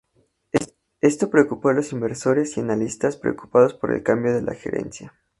Esto preocupó a los inversores y analistas preocupados por el cambio en la gerencia.